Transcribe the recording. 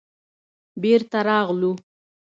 بېرته راغلو.